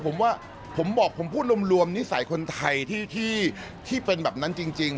ผมว่าผมบอกผมพูดรวมนิสัยคนไทยที่เป็นแบบนั้นจริง